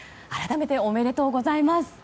改めて、おめでとうございます。